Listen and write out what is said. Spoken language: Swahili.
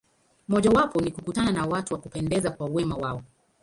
Mojawapo ni kukutana na watu wa kupendeza kwa wema wao.